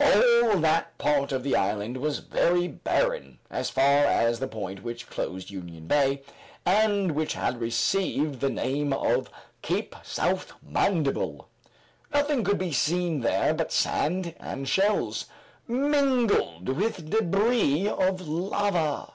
All that part of the island was very barren as far as the point which closed Union Bay, and which had received the name of Cape South Mandible. Nothing could be seen there but sand and shells, mingled with debris of lava.